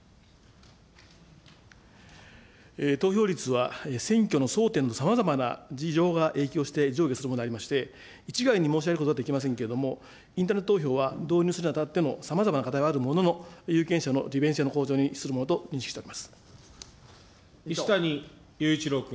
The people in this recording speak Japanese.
投票率は選挙の争点のさまざまな事情が影響して、上下するものでありまして、一概に申し上げることはできませんけども、インターネット投票は導入するにあたっても、さまざまな課題はあるものの、有権者の利便性の向上に資するものと認識してお一谷勇一郎君。